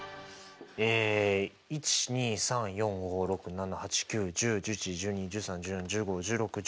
え１２３４５６７８９１０１１１２１３１４１５１６１７１８。